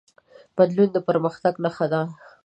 بدلون د پرمختګ نښه ده.